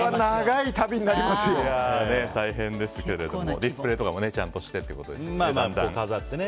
大変ですけどディスプレーとかもちゃんとしてってことですよね。